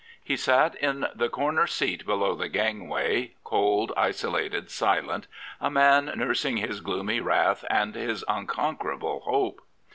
He sat in the corner seat below the gangway, cold, isolated, silent, a man nurs ing his gloomy wrath and his unconquerable hope.